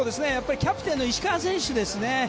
キャプテンの石川選手ですね。